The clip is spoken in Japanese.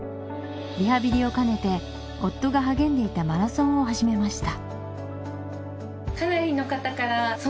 リハビリを兼ねて夫が励んでいたマラソンを始めました。